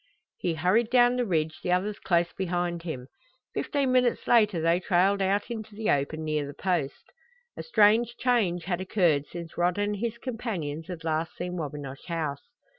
He hurried down the ridge, the others close behind him. Fifteen minutes later they trailed out into the open near the Post. A strange change had occurred since Rod and his companions had last seen Wabinosh House.